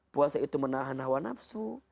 puasa itu menahan hawa nafsu